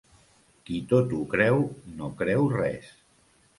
Qui tot ho creu, no creu res.